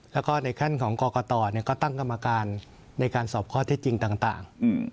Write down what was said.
แล้วก็ในขั้นของกรกตก็ตั้งกรรมการในการสอบข้อเท็จจริงต่าง